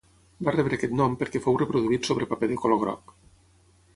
Va rebre aquest nom perquè fou reproduït sobre paper de color groc.